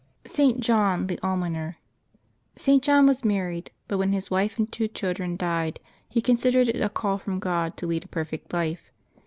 ST. JOHN THE ALMONER. [t. John was married, but when his wife and two chil dren died he considered it a call from God to lead a perfect life.